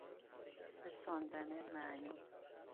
رساندن معنی